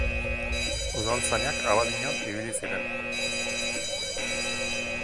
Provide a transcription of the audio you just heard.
Udaltzainak Abadiñon ibili ziren.